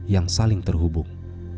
yang saling terhubung